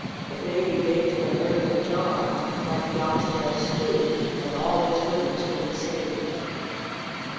It may be baked in an earthen jar, like the oxtail stew, and all its goodness will be saved.